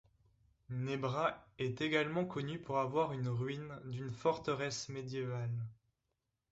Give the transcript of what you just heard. Nebra est également connu pour avoir une ruine d'une forteresse médiévale.